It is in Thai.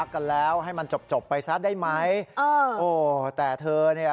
กันแล้วให้มันจบจบไปซะได้ไหมเออโอ้แต่เธอเนี่ย